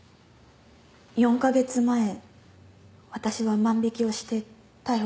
４カ月前私は万引をして逮捕されました。